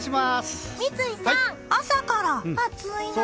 三井さん、朝から暑いな。